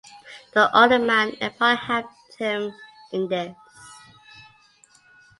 The Ottoman Empire helped him in this.